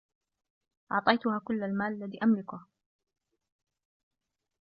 أعطيتها كل المال الذي أملكه.